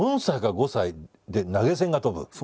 ４歳か５歳で投げ銭が飛ぶ？